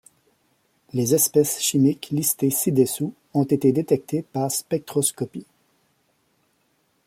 Les espèces chimiques listées ci-dessous ont été détectées par spectroscopie.